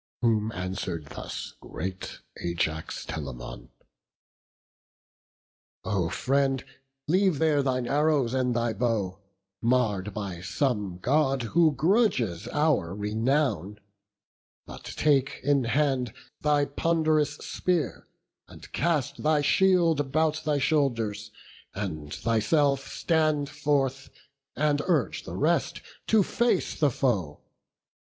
Whom answer'd thus great Ajax Telamon: "O friend, leave there thine arrows and thy bow, Marr'd by some God who grudges our renown; But take in hand thy pond'rous spear, and cast Thy shield about thy shoulders, and thyself Stand forth, and urge the rest, to face the foe.